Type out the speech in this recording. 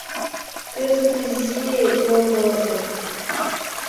Кызыт изи йолгорным